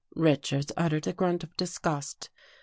Richards uttered a grunt of disgust.